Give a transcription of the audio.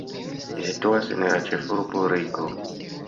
Ĝi situas en la ĉefurbo Rigo.